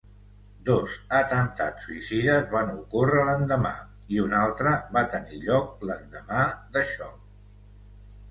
Dos atemptats suïcides van ocórrer l'endemà, i un altre va tenir lloc l'endemà d'això.